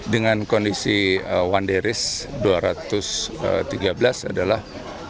dengan kondisi one daris dua ratus tiga belas adalah